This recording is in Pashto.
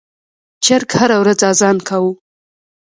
چرګ هره ورځ اذان کاوه.